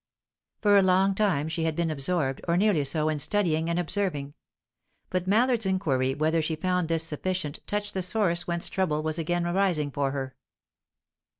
For a long time she had been absorbed, or nearly so, in studying and observing; but Mallard's inquiry whether she found this sufficient touched the source whence trouble was again arising for her.